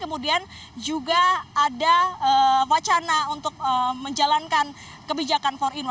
kemudian juga ada wacana untuk menjalankan kebijakan empat in satu